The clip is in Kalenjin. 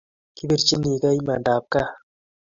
Kipirchinigei imandab kaa